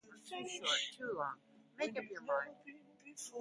His daughter S. Corinna Bille became a well-known writer.